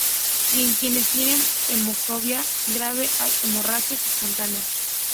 Y en quienes tienen hemofilia grave hay hemorragias espontáneas.